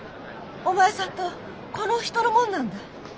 お前さんとこのお人のもんなんだ。